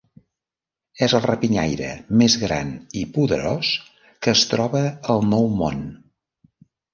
És el rapinyaire més gran i poderós que es troba al Nou Món.